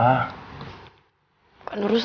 bukan urusan lo